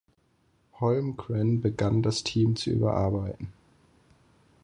Holmgren begann das Team zu überarbeiten.